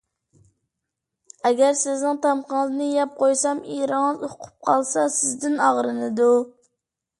ئەگەر سىزنىڭ تامىقىڭىزنى يەپ قويسام، ئېرىڭىز ئۇقۇپ قالسا سىزدىن ئاغرىنىدۇ.